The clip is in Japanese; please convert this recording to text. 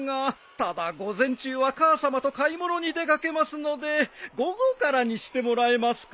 ただ午前中は母さまと買い物に出掛けますので午後からにしてもらえますか？